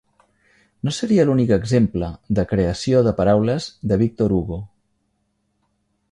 No seria l'únic exemple de creació de paraules de Victor Hugo.